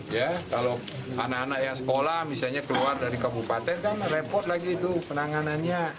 ya kalau anak anak yang sekolah misalnya keluar dari kabupaten kan repot lagi itu penanganannya